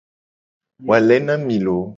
Wale na mi loo.